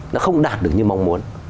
nó không đạt được như mong muốn